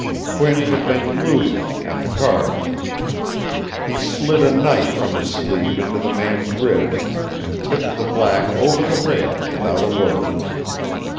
Quint had been losing, at the cards. He slid a knife from his sleeve into the man's ribs, and tipped the black over the rail without a word.